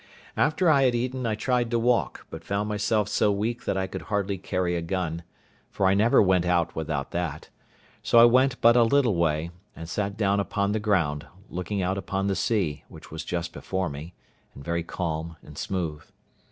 After I had eaten I tried to walk, but found myself so weak that I could hardly carry a gun, for I never went out without that; so I went but a little way, and sat down upon the ground, looking out upon the sea, which was just before me, and very calm and smooth.